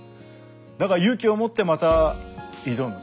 だから勇気をもってまた挑む。